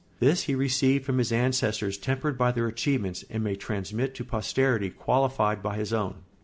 This he received from his ancestors tempered by their achievements, and may transmit to posterity qualified by his own.